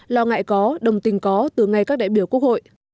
lo ngại có đồng tình có từ ngay các đại biểu quốc hội